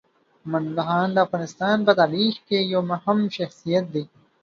امان الله خان د افغانستان په تاریخ کې یو مهم شخصیت دی.